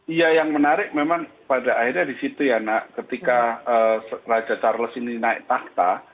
iya yang menarik memang pada akhirnya di situ ya nak ketika raja charles ini naik tahta